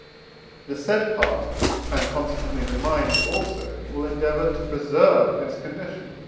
The said part, and, consequently, the mind also, will endeavour to preserve its condition.